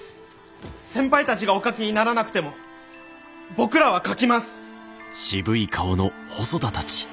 先輩たちがお書きにならなくても僕らは書きます！